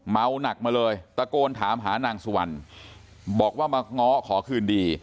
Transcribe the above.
เมาหนักมาเลยตะโกนถามหานางสุวรรณบอกว่ามาง้อขอคืนดี